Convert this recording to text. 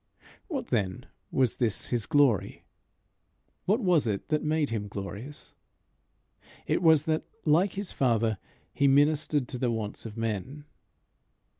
What then was this his glory? What was it that made him glorious? It was that, like his Father, he ministered to the wants of men.